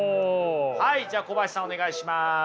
はいじゃあ小林さんお願いします。